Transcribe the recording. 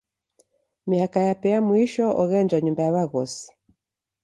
Miaka yape ya mwisho oghenjwa nyumba ya w'aghosi.